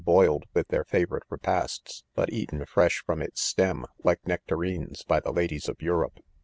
boiled with their favorite repasts, hut eaten fresh from its stem, like nectarine^ by the ladies of Europe.